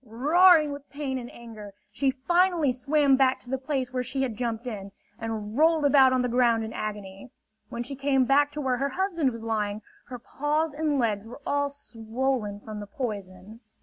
Roaring with pain and anger, she finally swam back to the place where she had jumped in, and rolled about on the ground in agony. When she came back to where her husband was lying, her paws and legs were all swollen from the poison.